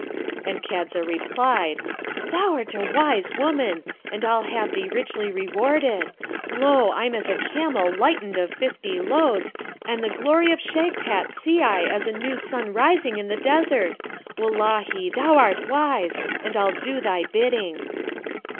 And Kadza replied, 'Thou'rt a wise woman, and I'll have thee richly rewarded. Lo, I'm as a camel lightened of fifty loads, and the glory of Shagpat see I as a new sun rising in the desert. Wullahy! thou'rt wise, and I'll do thy bidding.'